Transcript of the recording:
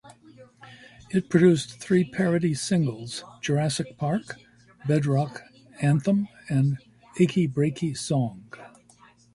It produced three parody singles: "Jurassic Park", "Bedrock Anthem", and "Achy Breaky Song".